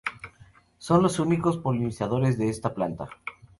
Son los únicos polinizadores de esta planta.